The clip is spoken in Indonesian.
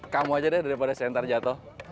kamu aja deh daripada center jatuh